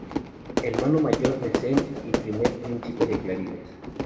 Hermano mayor de Zen y primer príncipe de Clarines.